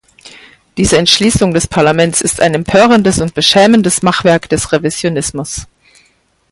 Diese Entschließung des Parlaments ist ein empörendes und beschämendes Machwerk des Revisionismus.